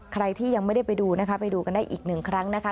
ใครที่ยังไม่ได้ไปดูนะคะไปดูกันได้อีกหนึ่งครั้งนะคะ